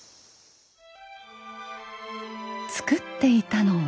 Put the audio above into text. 作っていたのは。